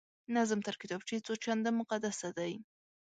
نظم تر کتابچې څو چنده مقدسه دی